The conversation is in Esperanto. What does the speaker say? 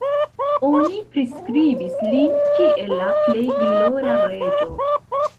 Oni priskribis lin kiel la plej glora reĝo.